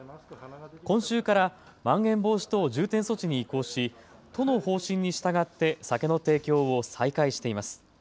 今週からまん延防止等重点措置に移行し、都の方針に従って酒の提供を再開しています。